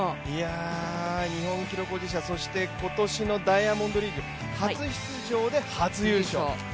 日本記録保持者、そして今年のダイヤモンドリーグ、初出場で初優勝。